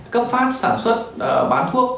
cấp phát sản xuất bán thuốc